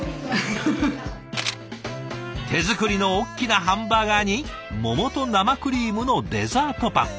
手作りの大きなハンバーガーに桃と生クリームのデザートパン。